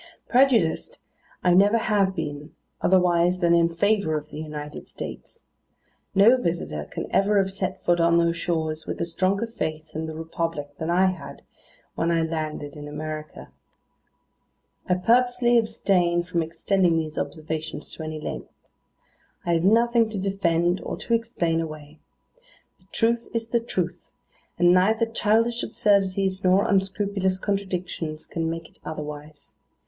Prejudiced, I never have been otherwise than in favour of the United States. No visitor can ever have set foot on those shores, with a stronger faith in the Republic than I had, when I landed in America. I purposely abstain from extending these observations to any length. I have nothing to defend, or to explain away. The truth is the truth; and neither childish absurdities, nor unscrupulous contradictions, can make it otherwise.